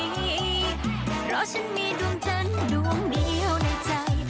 เพราะฉันมีดวงฉันดวงเดียวในใจ